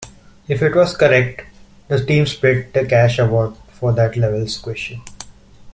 If it was correct, the team split the cash award for that level's question.